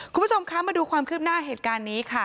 คุณผู้ชมคะมาดูความคืบหน้าเหตุการณ์นี้ค่ะ